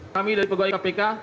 kami dari peguai kpk